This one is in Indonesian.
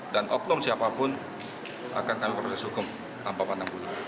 dan oknum siapapun akan kami proses hukum tanpa pandang bunuh